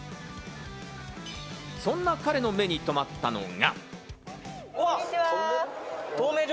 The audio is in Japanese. そんな彼の目に留まったのが。